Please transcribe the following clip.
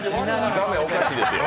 画面おかしいですよ。